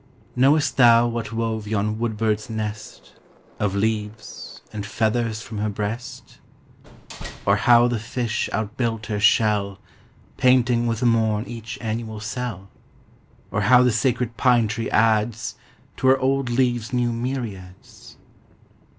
Knowest thou what wove yon woodbird's nest Of leaves, and feathers from her breast? Or how the fish outbuilt her shell, Painting with morn each annual cell ? Or how the sacred pine tree adds To her old leaves new myriads?